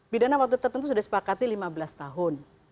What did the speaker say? pidana waktu tertentu sudah disepakati lima belas tahun